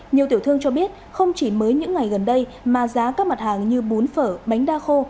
nhiều tiểu thương cho biết không chỉ mới những ngày gần đây mà giá các mặt hàng như bún phở bánh đa khô